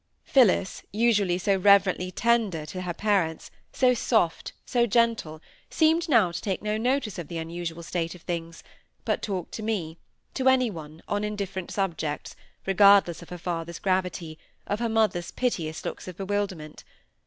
Phillis, usually so reverently tender to her parents, so soft, so gentle, seemed now to take no notice of the unusual state of things, but talked to me—to any one, on indifferent subjects, regardless of her father's gravity, of her mother's piteous looks of bewilderment.